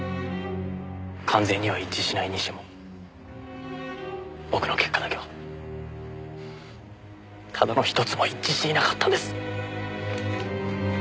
完全には一致しないにしても僕の結果だけはただの一つも一致していなかったんです。